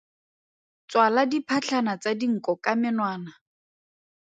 Tswala diphatlhana tsa dinko ka menwana.